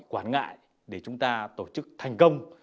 quản ngại để chúng ta tổ chức thành công